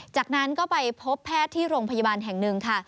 จากนั้นก็ไปพบแพทย์ที่โรงพยาบาลแห่งหนึ่งค่ะ